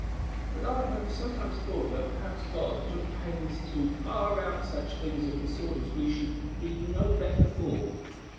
But I have sometimes thought that perhaps God took pains to bar out such things of the sort as we should be no better for.